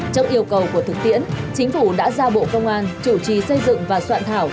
trước yêu cầu của thực tiễn chính phủ đã ra bộ công an chủ trì xây dựng và soạn thảo